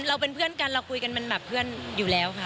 เราเป็นเพื่อนกันเราคุยกันเป็นแบบเพื่อนอยู่แล้วค่ะ